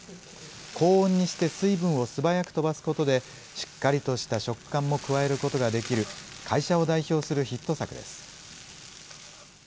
高温にして水分を素早く飛ばすことで、しっかりとした食感も加えることができる、会社を代表するヒット作です。